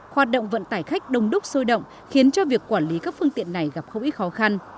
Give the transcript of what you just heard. hoạt động vận tải khách đông đúc sôi động khiến cho việc quản lý các phương tiện này gặp không ít khó khăn